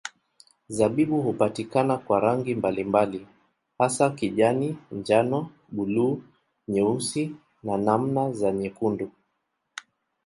Zabibu hupatikana kwa rangi mbalimbali hasa kijani, njano, buluu, nyeusi na namna za nyekundu.